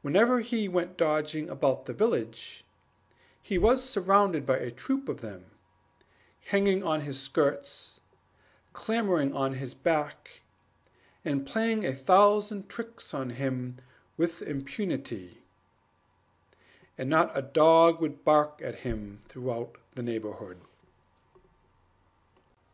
Whenever he went dodging about the village, he was surrounded by a troop of them hanging on his skirts, clambering on his back, and playing a thousand tricks on him with impunity; and not a dog would bark at him throughout the neighborhood.